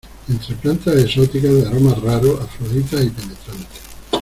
entre plantas exóticas, de aromas raros , afroditas y penetrantes.